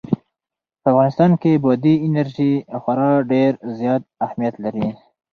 په افغانستان کې بادي انرژي خورا ډېر زیات اهمیت لري.